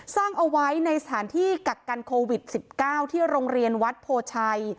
สร้างเอาไว้ในสถานที่กักกันโควิด๑๙ที่โรงเรียนวัดโพชัย